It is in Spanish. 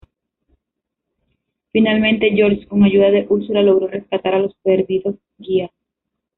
Finalmente George, con ayuda de Úrsula, logró rescatar a los perdidos guías.